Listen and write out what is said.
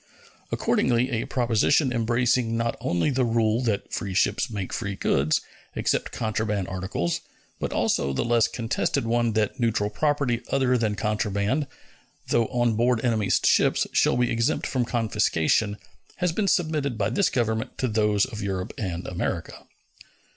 Accordingly, a proposition embracing not only the rule that free ships make free goods, except contraband articles, but also the less contested one that neutral property other than contraband, though on board enemy's ships, shall be exempt from confiscation, has been submitted by this Government to those of Europe and America.